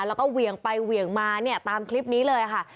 แล้วก็เหวี่ยงไปเหวี่ยงมาเนี่ยตามคลิปนี้เลยค่ะ